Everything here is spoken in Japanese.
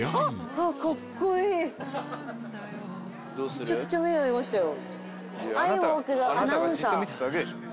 めちゃくちゃ目合いましたよ。